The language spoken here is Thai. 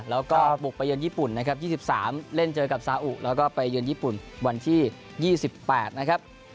แล้วก็บุกไปเยือนญี่ปุ่นนะครับ๒๓เล่นเจอกับซาอุแล้วก็ไปเยือนญี่ปุ่นวันที่๒๘นะครับ